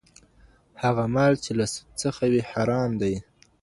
هغه مال چي له سود څخه وي حرام دی.